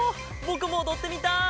ぼくもおどってみたい！